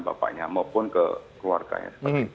kediaman bapaknya maupun kekeluarkannya